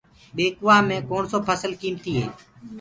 ٻيڪوآ مي ڪوڻسو ڦسل قيمتي هي۔